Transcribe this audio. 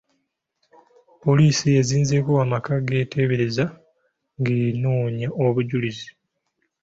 Poliisi ezinzeeko amaka g'eteebereza ng'enoonya obujulizi.